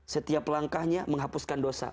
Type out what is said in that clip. setiap langkahnya menghapuskan dosa